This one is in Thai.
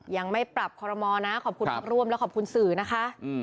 ยังไม่ปรับคอรมอลนะขอบคุณพักร่วมและขอบคุณสื่อนะคะ